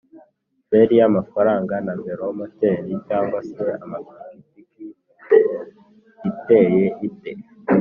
feri y’amagare na velomoteri cg se amapikipikiiteye ite